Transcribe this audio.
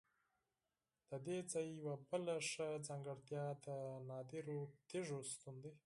ددې ځای یوه بله ښه ځانګړتیا د نادرو تیږو شتون دی.